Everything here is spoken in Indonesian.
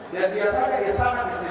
dia biasa dia bisa kondisi